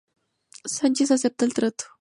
Sánchez acepta el trato.